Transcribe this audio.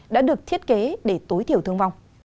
đã được thiết kế để tối thiểu thương vong